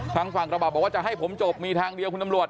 ทางฝั่งกระบะบอกว่าจะให้ผมจบมีทางเดียวคุณตำรวจ